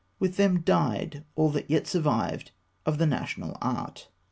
With them died all that yet survived of the national art.